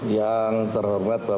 yang terhormat bapak